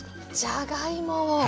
じゃがいもをへえ。